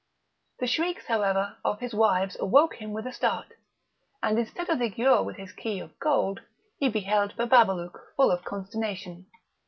The shrieks, however, of his wives awoke him with a start, and, instead of the Giaour with his key of gold, he beheld Bababalouk full of consternation.